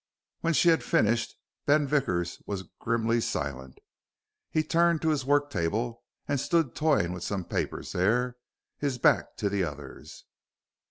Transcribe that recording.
When she had finished, Ben Vickers was grimly silent. He turned to his work table and stood toying with some papers there, his back to the others.